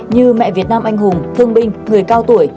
như mẹ việt nam anh hùng thương binh người cao tuổi